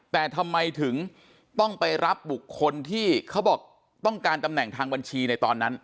แต่ทำไมถึงต้องไปรับบุคคลที่เขาบอกต้องการตำแหน่งทางบัญชีในตอนนั้น